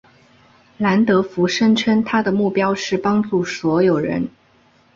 兰德福声称他的目标是帮助所有人。